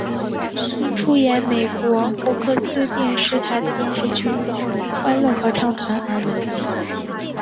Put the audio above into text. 因出演美国福克斯电视台的电视剧欢乐合唱团而闻名。